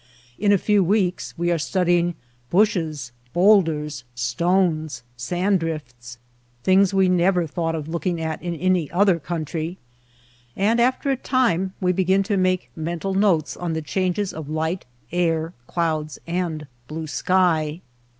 In a few weeks we are studying bushes, bowlders, stones, sand drifts — things we never thought of looking at in any other country. And after a time we begin to make mental notes on the changes of light, air, clouds, and blue sky.